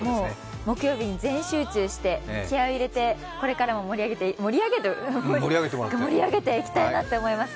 もう木曜日に全集中して気合い入れて、これからも盛り上げていきたいなって思います。